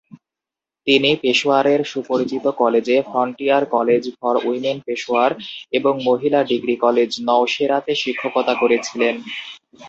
তিনি পেশোয়ারের সুপরিচিত কলেজে "frontier college for women Peshawar" এবং "মহিলা ডিগ্রি কলেজ নওশেরা"-তে শিক্ষকতা করেছিলেন।